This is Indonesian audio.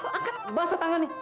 kau angkatin basah tangannya